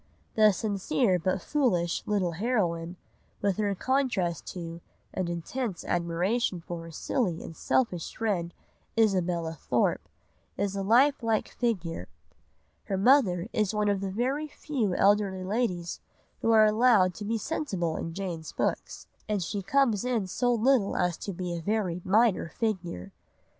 The sincere but foolish little heroine, with her contrast to and intense admiration for her silly and selfish friend, Isabella Thorpe, is a life like figure. Her mother is one of the very few elderly ladies who are allowed to be sensible in Jane's books, and she comes in so little as to be a very minor figure.